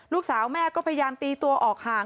ลูกสาวแม่ก็พยายามตีตัวออกห่าง